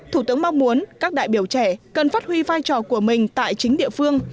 thủ tướng mong muốn các đại biểu trẻ cần phát huy vai trò của mình tại chính địa phương